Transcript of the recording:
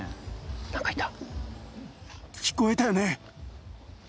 何かいた。